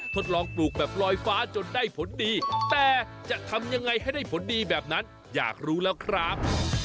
ทดลองปลูกแบบลอยฟ้าจนได้ผลดีแต่จะทำยังไงให้ได้ผลดีแบบนั้นอยากรู้แล้วครับ